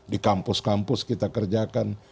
di kampus kampus kita kerjakan